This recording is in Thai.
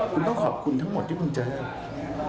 คุณต้องขอบคุณทั้งหมดที่คุณเจอมา